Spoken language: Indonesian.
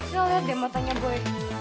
lo liat deh matanya boy